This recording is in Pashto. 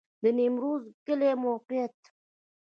د نیمروز کلی موقعیت